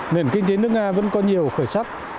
nền kinh tế nước nga vẫn có nhiều khởi sắc